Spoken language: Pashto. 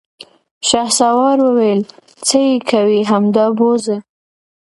شهسوار وويل: څه يې کوې، همدا بوځه!